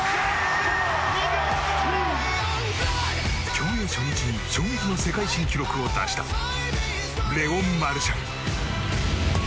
競泳初日に衝撃の世界新記録を出した、レオン・マルシャン。